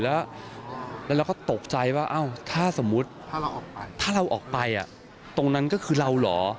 แล้วเราก็ตกใจว่าถ้าสมมุติถ้าเราออกไปตรงนั้นก็คือเราเหรอ